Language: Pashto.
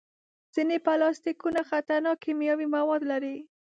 ځینې پلاستيکونه خطرناک کیمیاوي مواد لري.